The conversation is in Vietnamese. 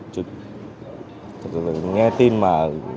thực sự là nghe tin mà